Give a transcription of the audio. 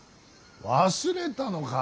忘れたのか。